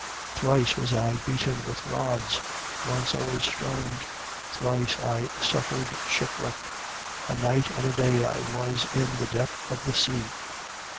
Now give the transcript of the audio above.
11:25. Thrice was I beaten with rods: once I was stoned: thrice I suffered shipwreck: a night and a day I was in the depth of the sea.